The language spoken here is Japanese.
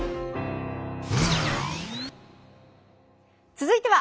続いては。